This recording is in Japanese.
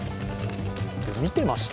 見てました？